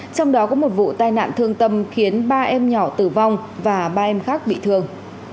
trong đó có một vụ tai nạn thương tâm khiến ba em nhỏ tử vong và ba em khác bị thương